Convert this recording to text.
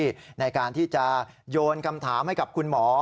ทำหน้าที่ในการที่จะโยนคำถามให้กับคุณหมอ